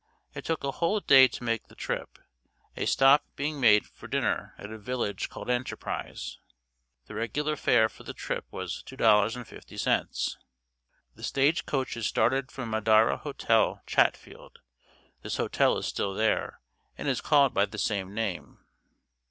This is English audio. It took a whole day to make the trip, a stop being made for dinner at a village called Enterprise. The regular fare for the trip was $2.50. The stagecoaches started from Madarra Hotel, Chatfield. This hotel is still there, and is called by the same name.